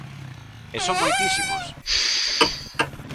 E son moitísimos.